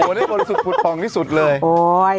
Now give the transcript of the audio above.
โอบริษุภุทธภองที่สุดเลย